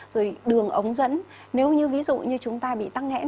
rồi đường ống dẫn nếu như ví dụ như chúng ta bị tăng nghẽ